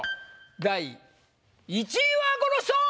第１位はこの人！